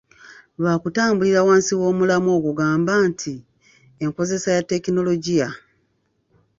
Lwakutambulira wansi w’omulamwa ogugamba nti, "Enkozesa ya tekinologiya" .